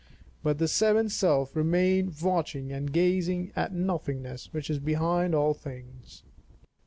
But the seventh self remained watching and gazing at nothingness, which is behind all things.